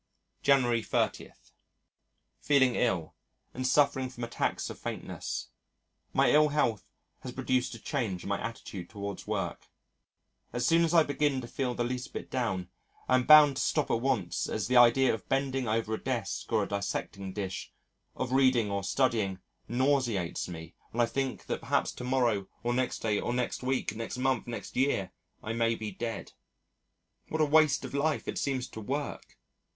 January 30. Feeling ill and suffering from attacks of faintness. My ill health has produced a change in my attitude towards work. As soon as I begin to feel the least bit down, I am bound to stop at once as the idea of bending over a desk or a dissecting dish, of reading or studying, nauseates me when I think that perhaps to morrow or next day or next week, next month, next year I may be dead. What a waste of life it seems to work!